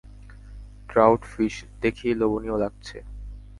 Trout fish, দেখেই লোভনীয় লাগছে!